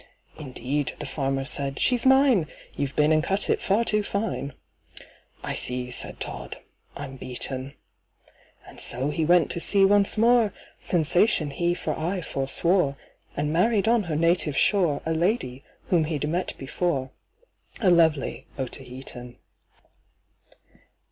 "Indeed," the farmer said, "she's mine: You've been and cut it far too fine!" "I see," said TODD, "I'm beaten." And so he went to sea once more, "Sensation" he for aye forswore, And married on her native shore A lady whom he'd met before— A lovely Otaheitan.